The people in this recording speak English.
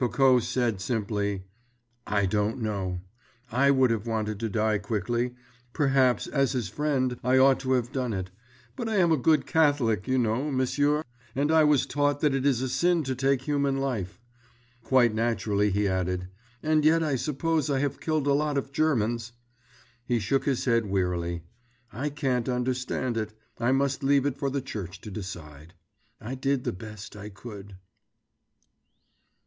Coco said simply, "I don't know. I would have wanted to die quickly. Perhaps as his friend I ought to have done it. But I am a good Catholic, you know, m'sieur; and I was taught that it is a sin to take human life." Quite naturally he added: "And yet I suppose I have killed a lot of Germans." He shook his head wearily. "I can't understand it. I must leave it for the church to decide. I did the best I could...."